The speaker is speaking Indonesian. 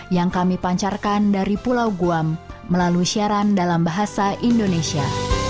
yang kami pancarkan dari pulau guam melalui siaran dalam bahasa indonesia